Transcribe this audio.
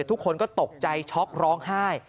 ทุกคนก็ตกใจช็อกร้องไห้